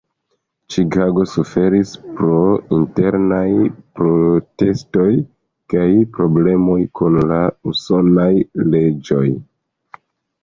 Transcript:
Ĉikago suferis pro internaj protestoj kaj problemoj kun la usonaj leĝoj.